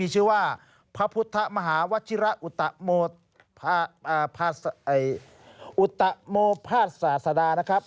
ชื่อว่าพระพุทธภาวชิระอุตหโมภาษฎานะครับ